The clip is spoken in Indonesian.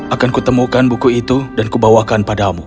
akan kutemukan buku itu dan kubawakan padamu